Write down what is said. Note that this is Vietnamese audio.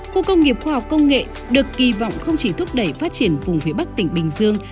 khu công nghiệp khoa học công nghệ được kỳ vọng không chỉ thúc đẩy phát triển vùng phía bắc tỉnh bình dương